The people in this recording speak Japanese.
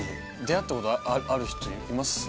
出会ったことある人います？